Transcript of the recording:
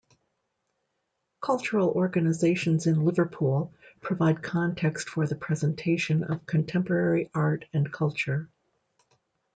Cultural organisations in Liverpool provide context for the presentation of contemporary art and culture.